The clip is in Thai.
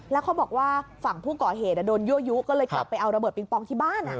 แล้วเขาบอกว่าฝั่งผู้ก่อเหตุโดนยั่วยุก็เลยกลับไปเอาระเบิดปิงปองที่บ้าน